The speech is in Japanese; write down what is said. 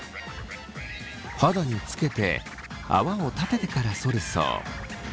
肌につけて泡を立ててからそるそう。